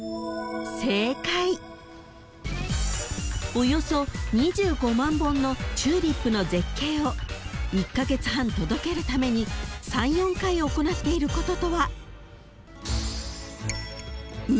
［およそ２５万本のチューリップの絶景を１カ月半届けるために３４回行っていることとは］